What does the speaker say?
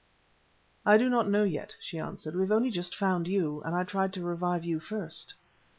"I do not know yet," she answered. "We have only just found you, and I tried to revive you first."